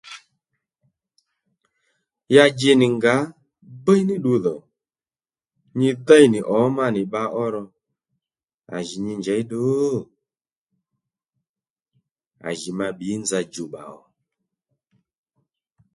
Ya dji nì ngǎ díy ní ddu dhò nyi dêy nì ǒmá nì bba ó ro à jì nyi njěy ddu? À jì ma bbǐy nza djùwbbà ò